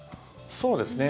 そうですね。